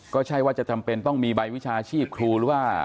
ก็ใช่ว่าจะจำเป็นต้องมีใบวิชาชีพครูหรือว่า